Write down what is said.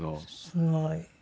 すごい。